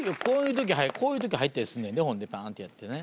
こういう時入ったりすんねんでほんでパンってやってね。